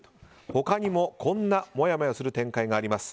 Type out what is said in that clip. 他にも、こんなもやもやする展開があります。